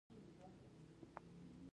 تنوع د افغانستان په هره برخه کې موندل کېږي.